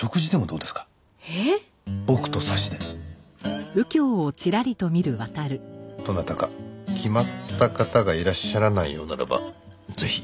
どなたか決まった方がいらっしゃらないようならばぜひ。